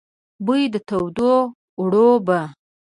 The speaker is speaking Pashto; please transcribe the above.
بوی د تودو اوړو به،